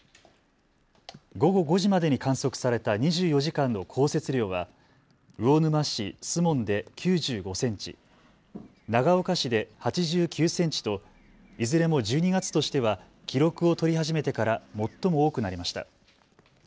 午後５時までに観測された２４時間の降雪量は魚沼市守門で９５センチ、長岡市で８９センチといずれも１２月としては記録を取り始めてから最も多くなりました。